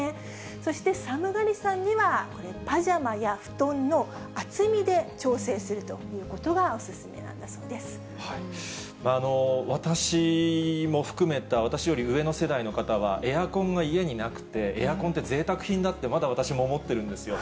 そして寒がりさんには、パジャマや布団の厚みで調整するということが、お勧めなんだそう私も含めた、私より上の世代の方は、エアコンが家になくて、エアコンってぜいたく品だってまだ私も思ってるんですよ。